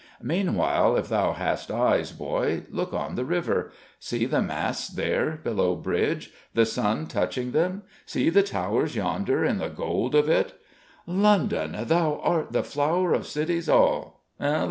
Meanwhile, if thou hast eyes, boy, look on the river see the masts there, below bridge, the sun touching them! see the towers yonder, in the gold of it! _London, thou art the flower of cities all!